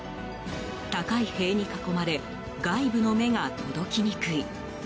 高い塀に囲まれ外部の目が届きにくい。